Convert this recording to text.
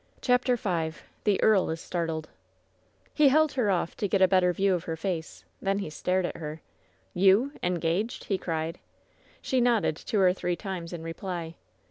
CHAPTER V THE EABL IS STABTLBD He held her oflf to get a better view of her face. Thea he stared at her. "You! Engaged?" he cried. She nodded two or three times in reply.